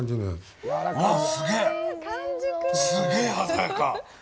すげえ鮮やか！